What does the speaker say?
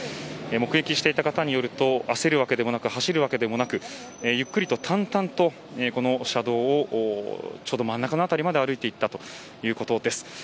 目撃していた方によると焦るわけではなく走るわけでもなくゆっくりとたんたんとこの車道をちょうど真ん中の辺りまで歩いていったということです。